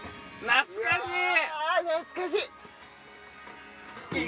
懐かしい！